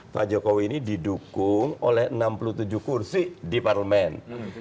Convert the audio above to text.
pak jokowi ini didukung oleh enam puluh tujuh kursi di parlemen